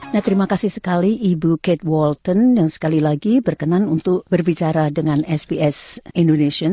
nah terima kasih sekali ibu kate warton yang sekali lagi berkenan untuk berbicara dengan sps indonesian